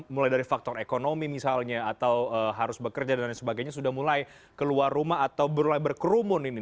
mulai dari faktor ekonomi misalnya atau harus bekerja dan lain sebagainya sudah mulai keluar rumah atau berkerumun ini